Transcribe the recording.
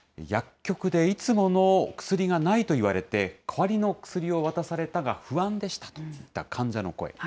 薬局でいつもの薬がないと言われて、代わりの薬を渡されたが不安でしたといった患者の声。